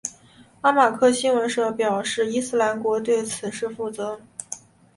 阿马克新闻社表示伊斯兰国对此事负责。